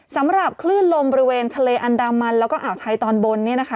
สำหรับคลื่นลมบริเวณทะเลอันดามันแล้วก็อ่าวไทยตอนบนเนี่ยนะคะ